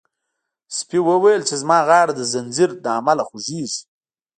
سپي وویل چې زما غاړه د زنځیر له امله خوږیږي.